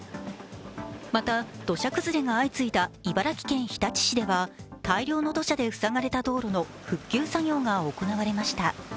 また土砂崩れが相次いだ茨城県日立市では大量の土砂で塞がれた道路の復旧作業が行われました。